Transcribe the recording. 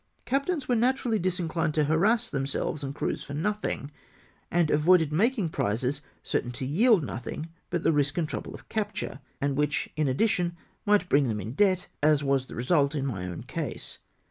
Captains were naturally disinclined to harass themselves and crews for nothing, and avoided making prizes certain to yield nothing but the risk and trouble of capture, and which, in addition, might bring them in debt, as was the result in my own case.